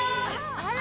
あら！